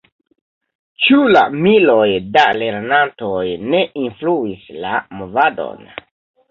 Ĉu la miloj da lernantoj ne influis la movadon?